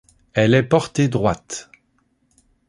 Elle est portée droite.